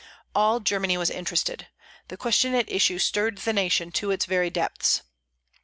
All Germany was interested. The question at issue stirred the nation to its very depths.